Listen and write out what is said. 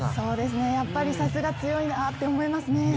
やっぱりさすが強いなって思いますね。